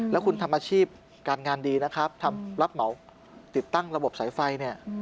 แล้วคุณทำอาชีพการงานดีนะครับทำรับเหมาติดตั้งระบบสายไฟเนี่ย